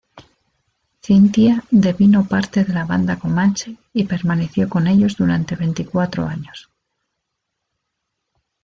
Cynthia devino parte de la banda comanche y permaneció con ellos durante veinticuatro años.